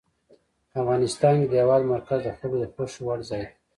افغانستان کې د هېواد مرکز د خلکو د خوښې وړ ځای دی.